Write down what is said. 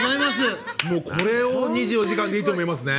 これを２４時間でいいと思いますね。